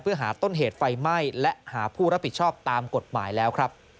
เพื่อหาต้นเหตุไฟไหม้และหาผู้รับผิดชอบตามกฎหมายแล้วครับ